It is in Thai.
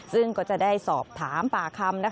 ซึ่งก็จะได้สอบถามป่าคำ